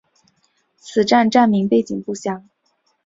此站站名背景不详。